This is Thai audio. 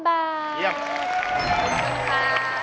ขอบคุณค่ะ